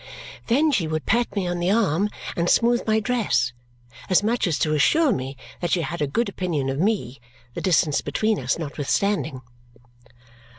Then she would pat me on the arm and smooth my dress, as much as to assure me that she had a good opinion of me, the distance between us notwithstanding.